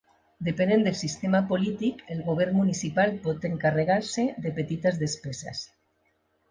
Depenent del sistema polític, el govern municipal pot encarregar-se de petites despeses.